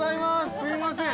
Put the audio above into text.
すいません！